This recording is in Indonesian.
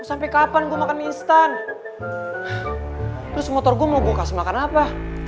sampai kapan gua makan instan terus motor gua mau kasih makan apa